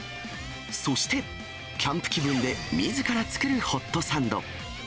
そして、キャンプ気分でみずから作るホットサンド。